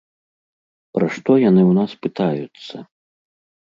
Пра што яны ў нас пытаюцца?